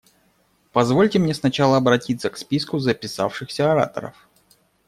Позвольте мне сначала обратиться к списку записавшихся ораторов.